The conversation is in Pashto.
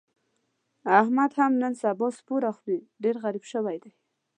احمد هم نن سبا سپوره خوري، ډېر غریب شوی دی.